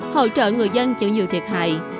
hỗ trợ người dân chịu nhiều thiệt hại